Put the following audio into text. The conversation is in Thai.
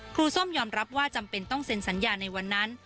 ส้มยอมรับว่าจำเป็นต้องเซ็นสัญญาในวันนั้น